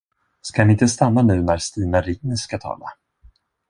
Ska ni inte stanna nu när Stina Ring ska tala?